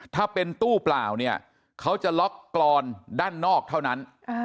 ถ้าเป็นตู้เปล่าเนี่ยเขาจะล็อกกรอนด้านนอกเท่านั้น